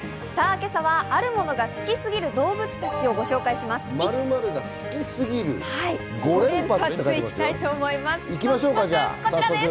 今朝はあるものが好きすぎる動物たちをご紹介します。